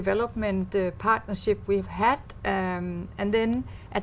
việt nam và đài loan